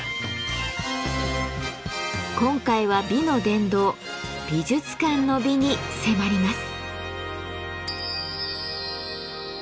今回は美の殿堂美術館の美に迫ります。